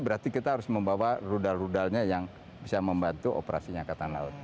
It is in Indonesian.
berarti kita harus membawa rudal rudalnya yang bisa membantu operasinya angkatan laut